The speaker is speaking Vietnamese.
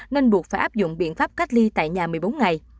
nên buộc phải áp dụng biện pháp cách ly tại nhà một mươi bốn ngày